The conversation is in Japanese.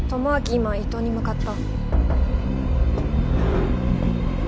今伊東に向かった。